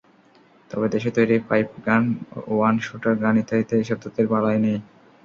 তবে দেশে তৈরি পাইপগান, ওয়ান শুটার গান ইত্যাদিতে এসব তথ্যের বালাই নেই।